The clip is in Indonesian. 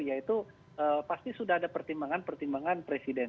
ya itu pasti sudah ada pertimbangan pertimbangan presiden